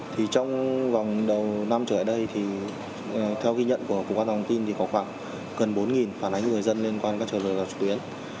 trong vòng đầu năm trở lại đây theo ghi nhận của cục an toàn thông tin có khoảng gần bốn phản ánh người dân liên quan các trường lực lạc trục tuyến